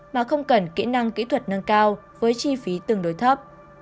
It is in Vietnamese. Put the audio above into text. mà không cần kỹ năng kỹ thuật nâng cao với chi phí tương đối thấp